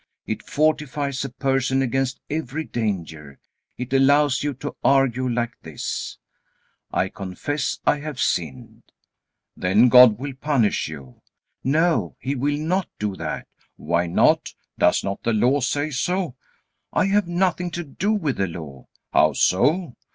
It fortifies a person against every danger. It allows you to argue like this: "I confess I have sinned." "Then God will punish you." "No, He will not do that." "Why not? Does not the Law say so?" "I have nothing to do with the Law." "How so?"